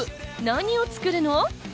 何を作るの？